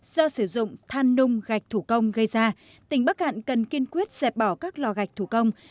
do sử dụng than nung gạch thủ công gây ra tỉnh bắc cạn cần kiên quyết dẹp bỏ các lò gạch thủ công